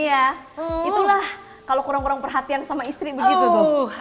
iya itulah kalau kurang kurang perhatian sama istri begitu bu